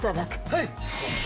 はい！